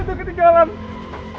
itu ketiga orang